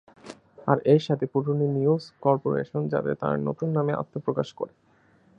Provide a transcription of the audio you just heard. আর এর সাথে পুরনো নিউজ কর্পোরেশন যাতে তার নতুন নামে আত্মপ্রকাশ করে।